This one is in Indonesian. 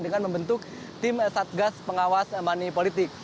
dengan membentuk tim satgas pengawas money politik